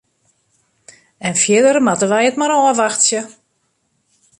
En fierder moatte wy it mar ôfwachtsje.